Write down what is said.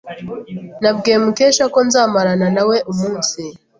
Nabwiye Mukesha ko nzamarana nawe umunsi.